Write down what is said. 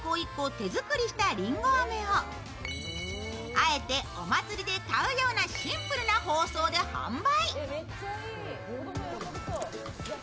あえてお祭りで買うようなシンプルな包装で販売。